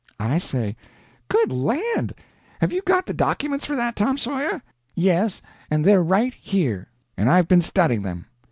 I say: "Good land! have you got the documents for that, Tom Sawyer?" "Yes, and they're right here, and I've been studying them.